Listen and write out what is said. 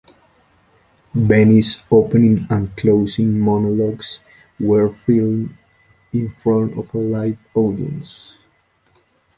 Benny's opening and closing monologues were filmed in front of a live audience.